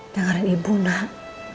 dengaran ibu nak